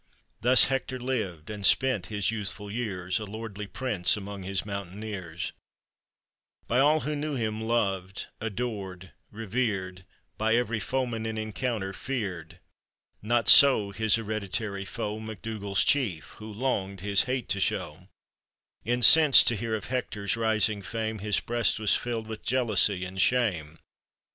Thus Hector lived, and spent his youthful years, A lordly prince amid his mountaineers ; By all who knew him loved, adored, revered, By every foeman in encounter feared. — Not so his hereditary foe, MacDougall's chief, who longed his hate to show; Incensed to hear of Hector's rising fame, His breast was filled with jealousy and shame.